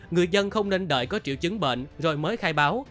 người dân không nên đợi có triệu chứng bệnh rồi mới khai báo